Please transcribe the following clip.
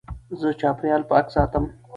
زه چاپېریال پاک ساتم.